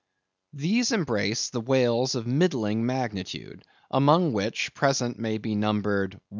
*—These embrace the whales of middling magnitude, among which present may be numbered:—I.